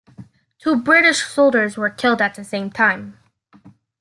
Two British soldiers were killed at the same time.